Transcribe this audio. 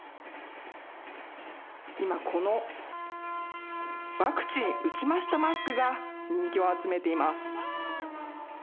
今、このワクチン打ちましたマスクが人気を集めています。